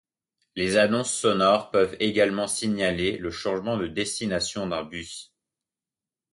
Les annonces sonores peuvent également signaler le changement de destination d'un bus.